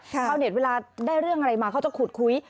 ชาวเน็ตเวลาได้เรื่องอะไรมาเขาจะขุดคุย